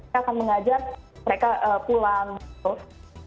saya akan mengajak mereka pulang gitu